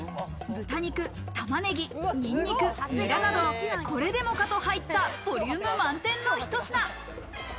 豚肉、玉ねぎ、ニンニク、ニラなど、これでもかと入ったボリューム満点の一品。